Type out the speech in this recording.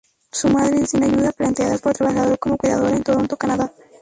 Su madre sin ayuda planteadas por trabajar como cuidadora en Toronto, Canadá.